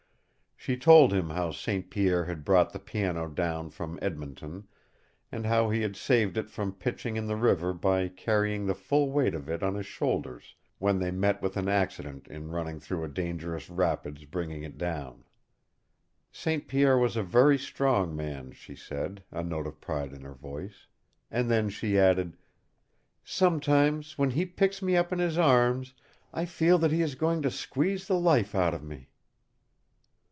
She told him how St. Pierre had brought the piano down from Edmonton, and how he had saved it from pitching in the river by carrying the full weight of it on his shoulders when they met with an accident in running through a dangerous rapids bringing it down. St. Pierre was a very strong man, she said, a note of pride in her voice. And then she added, "Sometimes, when he picks me up in his arms, I feel that he is going to squeeze the life out of me!"